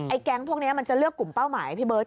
แก๊งพวกนี้มันจะเลือกกลุ่มเป้าหมายพี่เบิร์ต